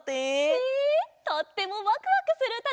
へえとってもワクワクするうただよね！